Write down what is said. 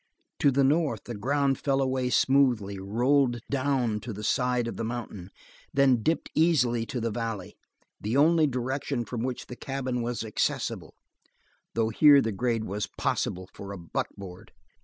To the north the ground fell away smoothly, rolled down to the side of the mountain, and then dipped easily to the valley the only direction from which the cabin was accessible, though here the grade was possible for a buckboard.